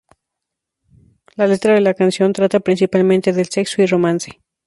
La letra de la canción trata principalmente del sexo y romance.